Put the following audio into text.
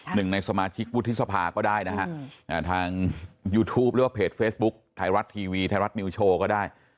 หนึ่งในสมาชิกวุฒิสภาก็ได้นะฮะทางยูทูปหรือว่าเพจเฟซบุ๊คไทยรัฐทีวีไทยรัฐนิวโชว์ก็ได้